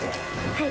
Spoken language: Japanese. はい。